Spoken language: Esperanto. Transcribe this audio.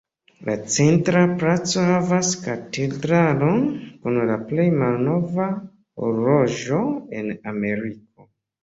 La centra placo havas katedralon kun la plej malnova horloĝo en Ameriko.